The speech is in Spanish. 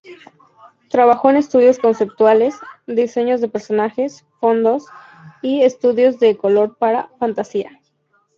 Trabajó en estudios conceptuales, diseños de personajes, fondos, y estudios de color para "Fantasía".